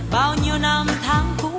bao nhiêu năm tháng cũ